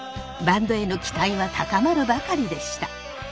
バンドへの期待は高まるばかりでした。